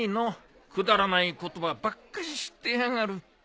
くだらない言葉ばっかし知ってやがる。